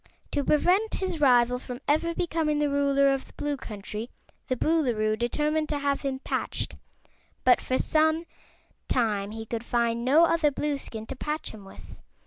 To prevent his rival from ever becoming the Ruler of the Blue Country the Boolooroo determined to have him patched, but for some time he could find no other Blueskin to patch him with.